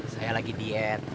saya lagi diet